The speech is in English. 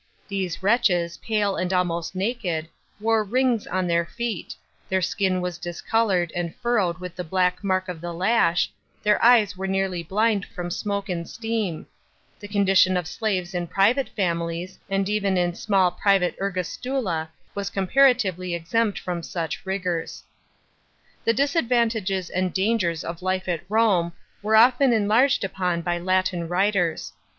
'' hese wretches, pale and almost naked, woie rings on their fei t ; t1 eir skin was d scoloured and furrowed w th the black mark of the lash ; their eves were nearly blind from smoke and ste >m The condition of slaves in private fa, mi ie*, and even in small private crgastula, was comparatively exempt from such rigours.* § 3 The disadvantages and dangers of life at Rome are often enbrged upon by Latin writers.